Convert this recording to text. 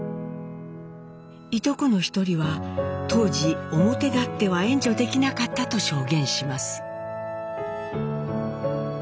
いとこの一人は当時表立っては援助できなかったと証言します。